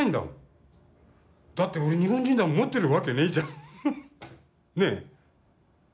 だって俺日本人だもん持ってるわけねえじゃん。ね？